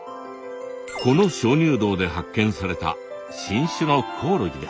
この鍾乳洞で発見された新種のコオロギです。